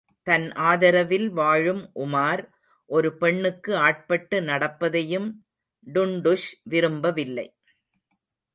தன் ஆதரவில் வாழும் உமார் ஒரு பெண்ணுக்கு ஆட்பட்டு நடப்பதையும் டுண்டுஷ் விரும்பவில்லை!